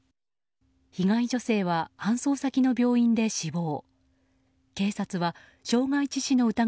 被害女性は搬送先の病院で死亡。